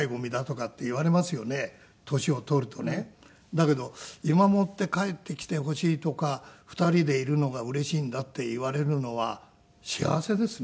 だけど今もって帰ってきてほしいとか２人でいるのがうれしいんだって言われるのは幸せですね。